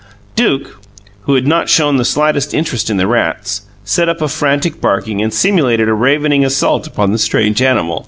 Duke, who had shown not the slightest interest in the rats, set up a frantic barking and simulated a ravening assault upon the strange animal.